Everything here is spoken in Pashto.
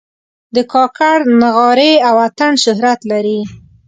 د کاکړ نغارې او اتڼ شهرت لري.